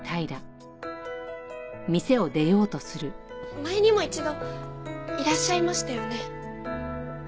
前にも一度いらっしゃいましたよね？